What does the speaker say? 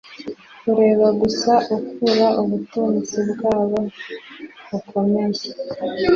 kureba gusa ukura ubutunzi bwabo bukomeye